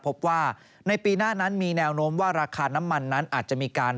พบว่าในปีหน้านั้นมีแนวโน้มว่าราคาน้ำมันนั้นอาจจะมีการ